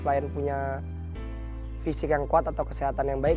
selain punya fisik yang kuat atau kesehatan yang baik